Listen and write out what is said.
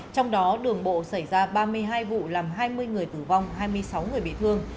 trong đó đường bộ xảy ra ba mươi hai vụ làm hai mươi người tử vong hai mươi sáu người bị thương